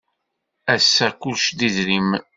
Ass-a kullec d idrimen.